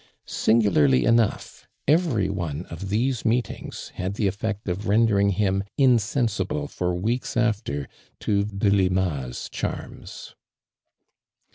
Sin gularly enough, every one of these meetings had the effect of rendering him insensible for v;eeks after to Delima's charms.